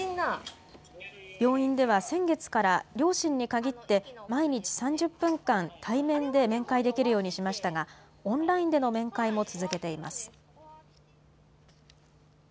病院では先月から、両親に限って毎日３０分間、対面で面会できるようにしましたが、オンラインでの面会も続けています。